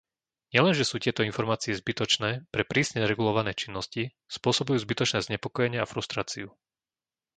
Nielenže sú tieto informácie zbytočné pre prísne regulované činnosti, spôsobujú zbytočné znepokojenie a frustráciu.